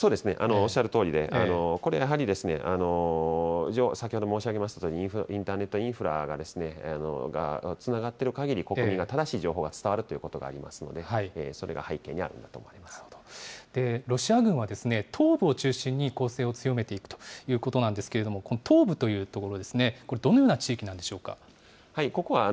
そうですね、おっしゃるとおりで、これやはりですね、先ほど申し上げましたとおり、インターネットインフラがつながっているかぎり、国民が正しい情報が伝わるということがありますので、そロシア軍は東部を中心に攻勢を強めているということなんですけれども、東部という所ですね、これ、どのような地域なんでしょうか。